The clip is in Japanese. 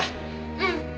うん。